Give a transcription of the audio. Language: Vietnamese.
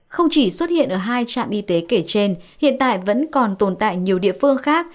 không chỉ xuất hiện ở hai trạm y tế kể trên hiện tại vẫn còn tồn tại nhiều địa phương khác